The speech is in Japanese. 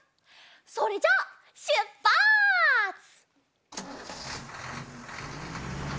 それじゃあしゅっぱつ！